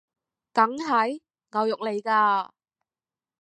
梗係！牛肉來㗎！